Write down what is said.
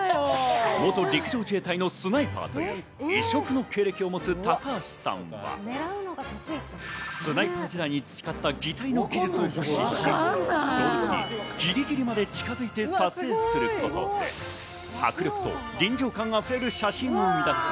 元陸上自衛隊のスナイパーで異色の経歴を持つ高橋さんは、スナイパー時代に培った擬態な技術を駆使し、動物にギリギリまで近づいて撮影することで迫力と臨場感あふれる写真を生み出す